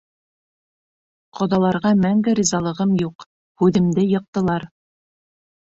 Ҡоҙаларға мәңге ризалығым юҡ, һүҙемде йыҡтылар.